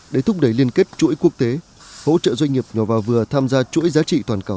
để thúc đẩy liên kết chuỗi quốc tế hỗ trợ doanh nghiệp nhỏ và vừa tham gia chuỗi giá trị toàn cầu